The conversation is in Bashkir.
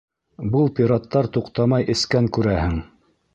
Был пираттар туҡтамай эскән, күрәһең.